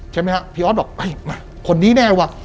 ใช่ไหมฮะพี่ออสบอกคนนี้แน่ว่ะ